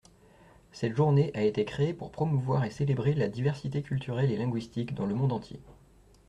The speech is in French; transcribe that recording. Cette journée a été créée pour promouvoir et célébrer la diversité culturelle et linguistique dans le monde entier.